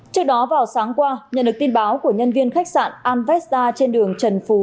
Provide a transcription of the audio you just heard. trước đó vào sáng qua nhận được tin báo của nhân viên khách sạn alvesta trên đường trần phú